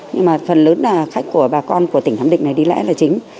nhưng mà phần lớn là khách của bà con của tỉnh nam định này đi lễ là chính